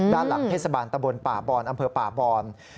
ด้านหลังเทศบาลตะบนป่าบอนอำเภอป่าบอน